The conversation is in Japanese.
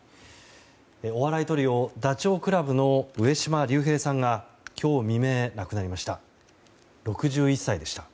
お笑いトリオダチョウ倶楽部の上島竜兵さんが今日未明、亡くなりました。